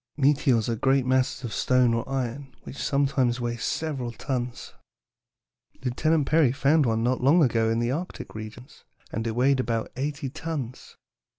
"Meteors are great masses of stone or iron which sometimes weigh several tons. Lieutenant Peary found one not long ago in the Arctic regions, and it weighed about eighty tons.